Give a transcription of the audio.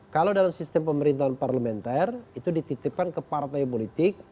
kalau dalam sistem pemerintahan parlementer itu dititipkan ke partai politik